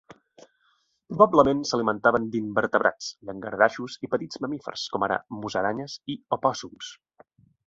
Probablement s'alimentaven d'invertebrats, llangardaixos i petits mamífers, com ara musaranyes i opòssums.